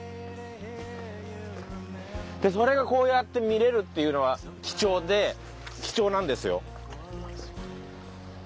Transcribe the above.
それがこうやって見れるっていうのは貴重で貴重なんですよ。